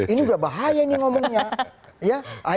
ini udah bahaya ini ngomongnya